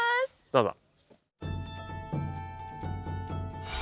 どうぞ。